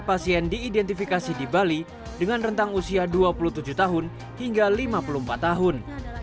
pasien diidentifikasi di bali dengan rentang usia dua puluh tujuh tahun hingga lima puluh empat tahun